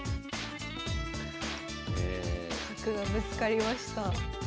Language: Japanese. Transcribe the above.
角がぶつかりました。